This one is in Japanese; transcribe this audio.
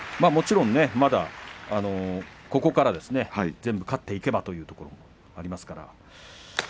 もちろん、まだここから全部勝っていけばということもありますから。